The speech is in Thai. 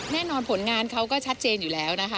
แน่นอนผลงานเขาก็ชัดเจนอยู่แล้วนะคะ